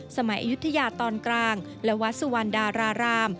อายุทยาตอนกลางและวัดสุวรรณดาราราม